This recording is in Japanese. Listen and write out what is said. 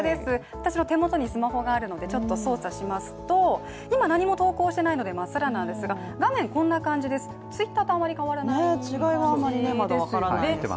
私の手元にスマホがあるので操作しますと今、何も投稿していないのでまっさらなんですが画面こんな感じです、Ｔｗｉｔｔｅｒとあまり変わらない感じですよね。